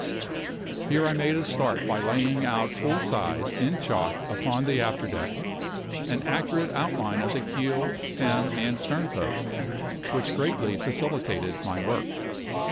Here I made a start by laying out, full size, in chalk, upon the after deck, an accurate outline of the keel, stem, and sternpost, which greatly facilitated my work.